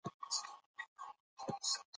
افغانستان کې ښارونه د هنر په اثار کې منعکس کېږي.